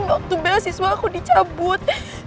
waktu beasiswa aku dicabut